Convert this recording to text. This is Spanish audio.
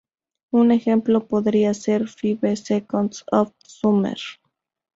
Un ejemplo podría ser Five seconds of summer.